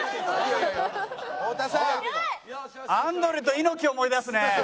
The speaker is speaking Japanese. アンドレと猪木を思い出すね。